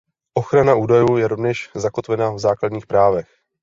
Ochrana údajů je rovněž zakotvena v základních právech.